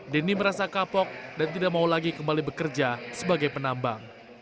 denny merasa kapok dan tidak mau lagi kembali bekerja sebagai penambang